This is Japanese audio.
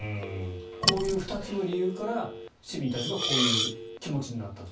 こういう２つの理由から市民たちがこういう気持ちになったと。